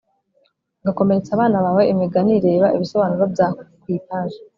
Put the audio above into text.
Agakomeretsa abana bawe imigani reba ibisobanuro bya ku ipaji